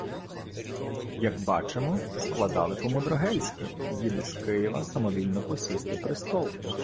Як бачимо, складали по-мудрагельськи: їде з Києва самовільно посісти престол